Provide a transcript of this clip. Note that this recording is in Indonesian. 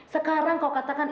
sekarang kau katakan